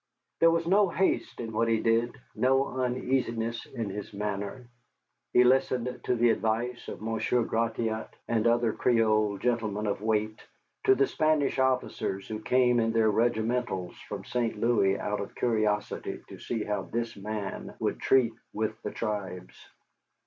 There was no haste in what he did, no uneasiness in his manner. He listened to the advice of Monsieur Gratiot and other Creole gentlemen of weight, to the Spanish officers who came in their regimentals from St. Louis out of curiosity to see how this man would treat with the tribes.